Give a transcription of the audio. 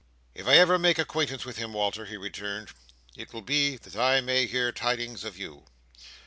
"If I ever make acquaintance with him, Walter," he returned, "it will be that I may hear tidings of you.